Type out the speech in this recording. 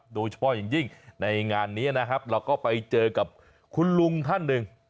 โดยเฉพาะอย่างยิ่งในงานนี้นะครับเราก็ไปเจอกับคุณลุงท่านหนึ่ง